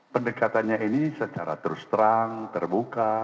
pendekatannya ini secara terus terang terbuka